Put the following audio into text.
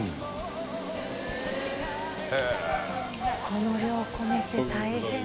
この量こねて大変だ。